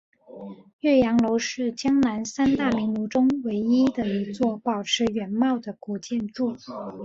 岳阳楼是江南三大名楼中唯一的一座保持原貌的古建筑。